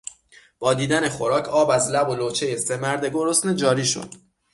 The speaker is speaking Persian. با دیدن خوراک آب از لب و لوچهی سه مرد گرسنه جاری شد.